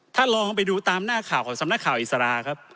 ลองไปดูตามหน้าข่าวของสำนักข่าวอิสระครับ